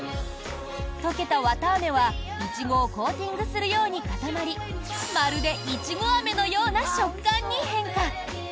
溶けた綿あめは、イチゴをコーティングするように固まりまるでイチゴ飴のような食感に変化。